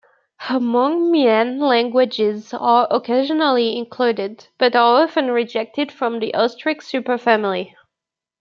Hmong-Mien languages are occasionally included, but are often rejected from the Austric superfamily.